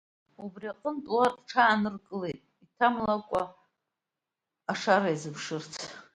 Убри аҟынтә уа рҽааныркылеит, иҭамлакәа ашара иазыԥшырц.